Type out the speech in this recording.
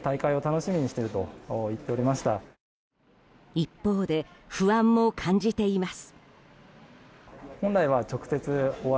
一方で、不安も感じています。